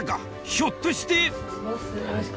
ひょっとして？